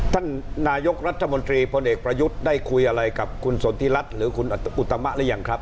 ท่านนายกรัฐมนตรีพลเอกประยุทธ์ได้คุยอะไรกับคุณสนทิรัฐหรือคุณอุตมะหรือยังครับ